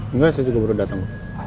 enggak saya sudah baru datang